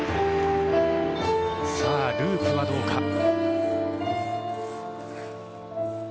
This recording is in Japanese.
さぁ、ループはどうか？